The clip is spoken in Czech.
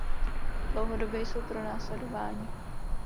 Dlouhodobě jsou pronásledováni.